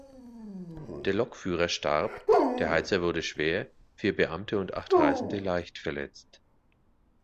Der Lokführer starb, der Heizer wurde schwer, vier Beamte und acht Reisende leicht verletzt.